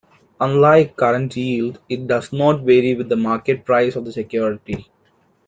Unlike current yield, it does not vary with the market price of the security.